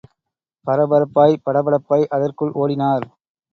பரபரப்பாய் படபடப்பாய் அதற்குள் ஓடினார்.